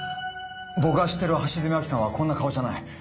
僕が知ってる橋爪亜希さんはこんな顔じゃない。